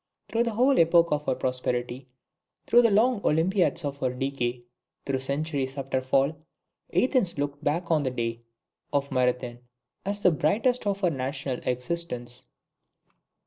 Through the whole epoch of her prosperity, through the long Olympiads of her decay, through centuries after her fall, Athens looked back on the day of Marathon as the brightest of her national existence.